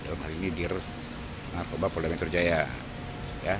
dalam hal ini dir narkoba polda metro jaya